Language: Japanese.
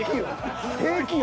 平気よ。